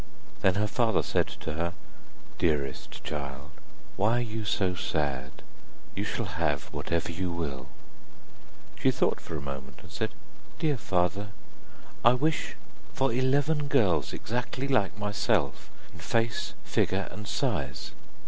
Then her father said to her: 'Dearest child, why are you so sad? You shall have whatsoever you will.' She thought for a moment and said: 'Dear father, I wish for eleven girls exactly like myself in face, figure, and size.